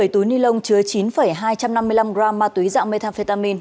một mươi túi ni lông chứa chín hai trăm năm mươi năm gram ma túy dạng methamphetamin